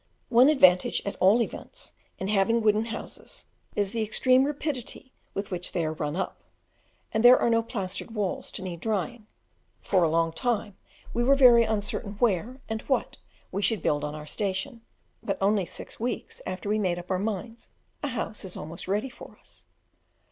One advantage, at all events, in having wooden houses is the extreme rapidity with which they are run up, and there are no plastered walls to need drying. For a long time we were very uncertain where, and what, we should build on our station; but only six weeks after we made up our minds, a house is almost ready for us.